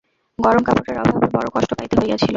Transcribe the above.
গরম কাপড়ের অভাবে বড় কষ্ট পাইতে হইয়াছিল।